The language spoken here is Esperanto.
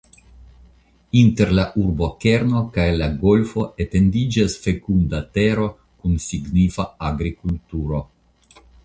Inter la urbokerno kaj la golfo etendiĝas fekunda tero kun signifa agrikulturo.